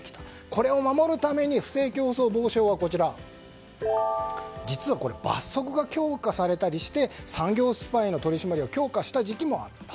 これを守るために不正競争防止法は実は罰則が強化されたりして産業スパイの取り締まりを強化した時期もあった。